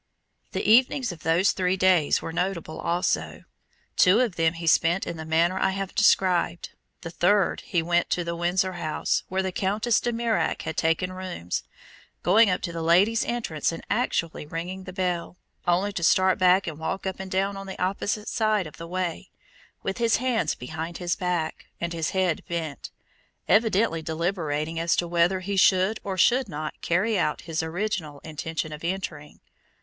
The evenings of those three days were notable also. Two of them he spent in the manner I have described; the third he went to the Windsor House where the Countess De Mirac had taken rooms going up to the ladies' entrance and actually ringing the bell, only to start back and walk up and down on the opposite side of the way, with his hands behind his back, and his head bent, evidently deliberating as to whether he should or should not carry out his original intention of entering.